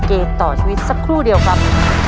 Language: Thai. เกมต่อชีวิตสักครู่เดียวครับ